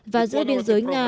và giữa biên giới nga